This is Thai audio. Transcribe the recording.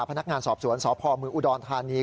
พนักงานสอบสวนสพเมืองอุดรธานี